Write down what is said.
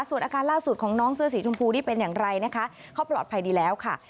ส่วนอาการล่าสุดของน้องเสื้อสีชมพูนี่เป็นอย่างไรนะคะเขาปลอดภัยดีแล้วค่ะ